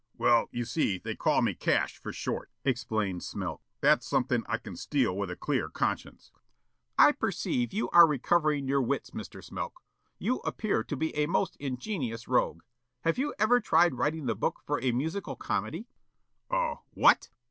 "Well, you see, they call me Cash for short," explained Smilk. "That's something I can steal with a clear conscience." "I perceive you are recovering your wits, Mr. Smilk. You appear to be a most ingenuous rogue. Have you ever tried writing the book for a musical comedy?" "A what?"